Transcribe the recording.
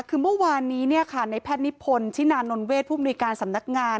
คือเมื่อวานนี้ในแพทย์นิพนธนานนเวทผู้มนุยการสำนักงาน